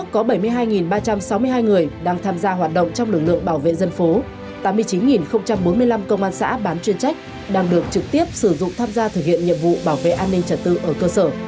bốn mươi năm công an xã bán chuyên trách đang được trực tiếp sử dụng tham gia thực hiện nhiệm vụ bảo vệ an ninh trật tư ở cơ sở